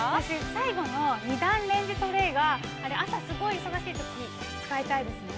◆最後の２段レンジトレーがあれ、朝すごい忙しいとき、使いたいですね。